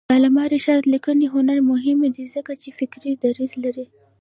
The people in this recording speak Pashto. د علامه رشاد لیکنی هنر مهم دی ځکه چې فکري دریځ لري.